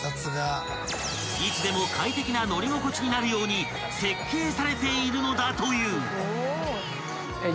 ［いつでも快適な乗り心地になるように設計されているのだという］